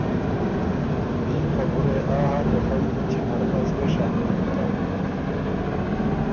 دیم خبُره يې آ هۀ که فئ دُوچی نر از ګه شامل بُکم